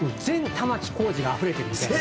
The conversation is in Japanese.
玉置浩二があふれてるみたいな。